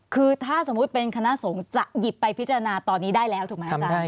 คือถ้าสมมุติเป็นคณะสงฆ์จะหยิบไปพิจารณาตอนนี้ได้แล้วถูกไหมอาจารย์